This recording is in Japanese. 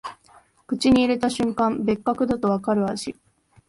口に入れた瞬間、別格だとわかる味